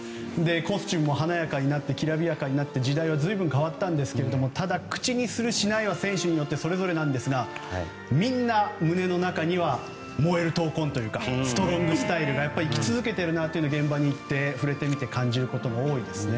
コスチュームも華やかになってきらびやかになって時代は随分変わったんですけれどもただ、口にするしないは選手によってそれぞれですがみんな胸の中には燃える闘魂というかストロングスタイルが生き続けているなと現場に行って、触れてみて感じることが多いですね。